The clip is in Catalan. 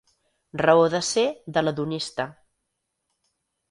Raó de ser de l'hedonista.